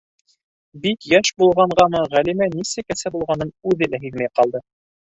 Бик йәш булғанғамы, Ғәлимә нисек әсә булғанын үҙе лә һиҙмәй ҡалды.